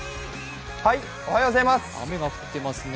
雨が降ってますね。